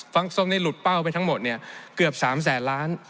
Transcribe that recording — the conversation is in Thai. ส้มนี่หลุดเป้าไปทั้งหมดเนี่ยเกือบ๓แสนล้าน